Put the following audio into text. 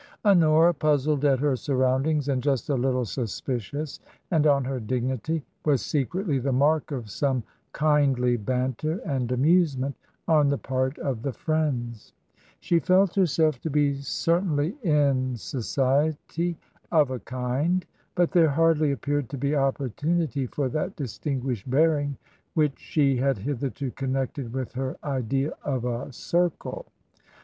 Honora, puzzled at her surroundings, and just a little suspicious, and on her dignity, was secretly the mark of some kindly banter and amusement on the part of the friends. She felt herself to be certainly " in society" — of a kind. But there hardly appeared to be opportunity for that distinguished bearing which she had hitherto connected with her idea of a " circle."